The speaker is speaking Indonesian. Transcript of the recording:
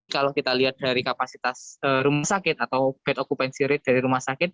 kalau kita lihat dari kapasitas rumah sakit atau bed occupancy rate dari rumah sakit